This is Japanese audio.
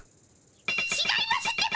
ちがいますってば。